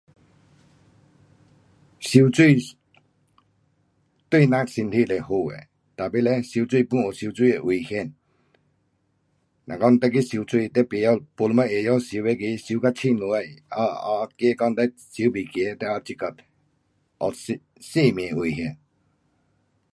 游泳对人身体是好的。tapi 嘞游泳 pun 有游泳的危险。若讲你去游泳，你甭晓，没什么会晓游泳那个，游到深下，哦怕讲等游不走，哒这个有性，性命危险。